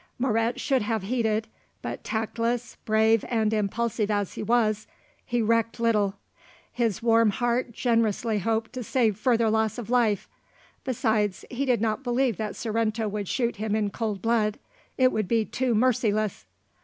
Moret should have heeded; but tactless, brave, and impulsive as he was, he recked little. His warm heart generously hoped to save further loss of life. Besides, he did not believe that Sorrento would shoot him in cold blood; it would be too merciless.